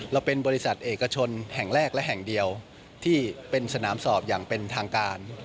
เราเป็นบริษัทเอกชนแห่งแรกและแห่งเดียวที่เป็นสนามสอบอย่างเป็นทางการ